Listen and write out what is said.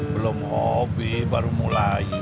belum hobi baru mulai